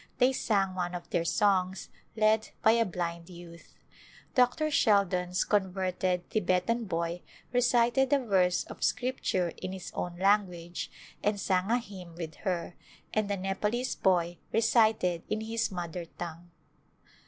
They sang one of their songs, led by a blind youth. Dr. Sheldon's converted Thibetan boy recited a verse of Scripture in his own language and sang a hymn with her, and a Nepalese boy recited in his mother tongue.